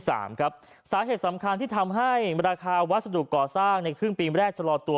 สาเหตุสำคัญที่ทำให้ราคาวัสดุก่อสร้างในครึ่งปีแรกชะลอตัว